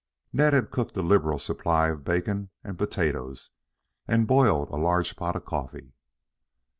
Ned had cooked a liberal supply of bacon and potatoes and boiled a large pot of coffee.